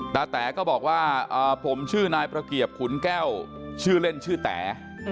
แต๋ก็บอกว่าผมชื่อนายประเกียบขุนแก้วชื่อเล่นชื่อแต๋